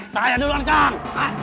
saya duluan kang